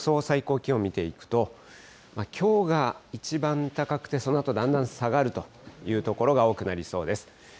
最高気温見ていくと、きょうが一番高くて、そのあとだんだん下がるという所が多くなりそうです。